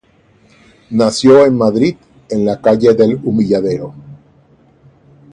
Nació en Madrid en la calle del Humilladero.